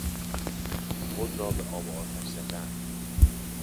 خود را به آب و آتش زدن